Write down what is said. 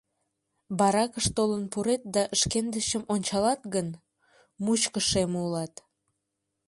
Баракыш толын пурет да шкендычым ончалат гын — мучко шеме улат.